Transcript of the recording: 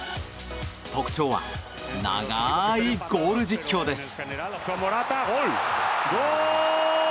特徴は、長いゴール実況です。